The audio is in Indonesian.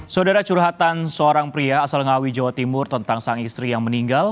saudara curhatan seorang pria asal ngawi jawa timur tentang sang istri yang meninggal